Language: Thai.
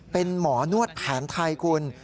เป็นหมอนวดแผนไทยคุณ